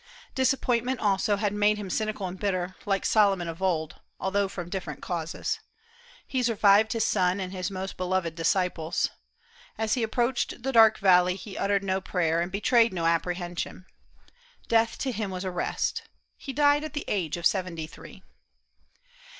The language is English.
Disappointment also had made him cynical and bitter, like Solomon of old, although from different causes. He survived his son and his most beloved disciples. As he approached the dark valley he uttered no prayer, and betrayed no apprehension. Death to him was a rest. He died at the age of seventy three.